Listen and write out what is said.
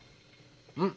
うん。